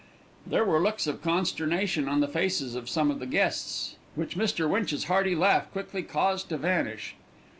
There were looks of consternation on the faces of some of the guests which Mr. Winch's hearty laugh quickly caused to vanish.